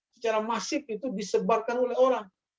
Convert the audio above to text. secara masif itu disebarkan oleh orang